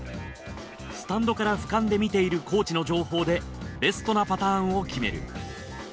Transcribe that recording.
スタンドから俯瞰で見ているコーチの情報でベストなパターンを決める。